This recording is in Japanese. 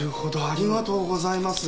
ありがとうございます。